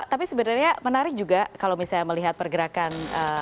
tapi sebenarnya menarik juga kalau misalnya melihat pergerakan